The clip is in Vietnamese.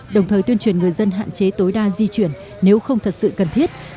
đồng thời tuyên truyền người dân hạn chế tối đa di chuyển nếu không thật sự cần thiết